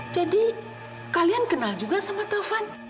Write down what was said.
jadi kalian kenal juga sama taufan